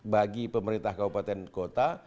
bagi pemerintah kabupaten kota